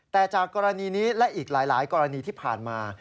แต่จากกรณีนี้และอีกหลายกรณีที่ผ่านมา